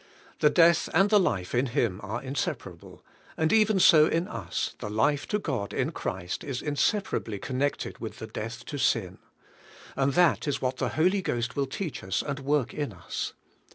The death and the life in Him are inseparable; and even so in us the life to God in Christ is inseparabl}^ connected with the death to sin. And that is what the Holy Ghost will teach us and work in us.